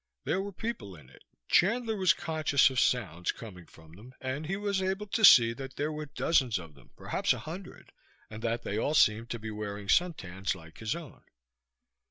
There were people in it; Chandler was conscious of sounds coming from them, and he was able to see that there were dozens of them, perhaps a hundred, and that they all seemed to be wearing suntans like his own.